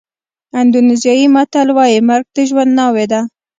اندونېزیایي متل وایي مرګ د ژوند ناوې ده.